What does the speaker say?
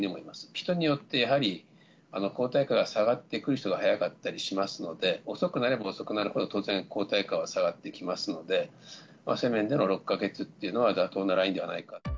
人によってやはり、抗体価が下がってくる人が早かったりしますので、遅くなればなるほど、当然、抗体価は下がってきますので、そういう意味で６か月というのは妥当なラインじゃないか。